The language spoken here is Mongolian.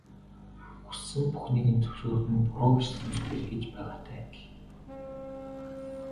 Хүссэн бүхнийг нь зөвшөөрөх нь буруу ишилсэн сүх л хийж байгаатай адил.